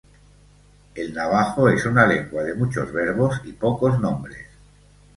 El navajo es una lengua de muchos verbos y pocos nombres.